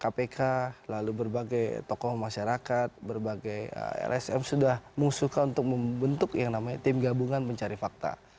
kpk lalu berbagai tokoh masyarakat berbagai lsm sudah mengusulkan untuk membentuk yang namanya tim gabungan pencari fakta